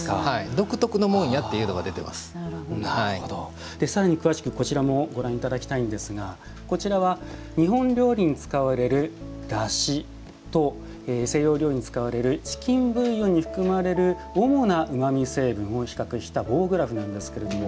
独特のものやというのがさらに詳しくご覧いただきたいんですがこちらは、日本料理に使われるだしと西洋料理に使われるチキンブイヨンに含まれる主なうまみ成分を比較した棒グラフなんですけれども。